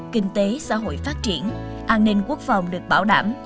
kinh tế xã hội phát triển an ninh quốc phòng được bảo đảm